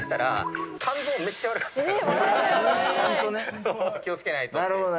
ちゃんと気をつけないと。